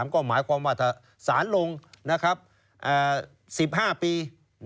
ก็หมายความวัทธศาลลง๑๕ปี